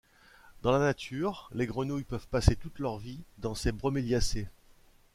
Dans la nature, les grenouilles peuvent passer toute leur vie dans ces Broméliacées.